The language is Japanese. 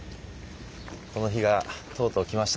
この日がとうとう来ましたね。